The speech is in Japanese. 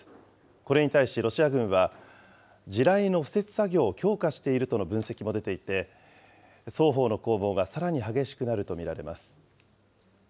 これに対しロシア軍は、地雷の敷設作業を強化しているとの分析も出ていて、双方の攻防がさらに激しくなると見られます。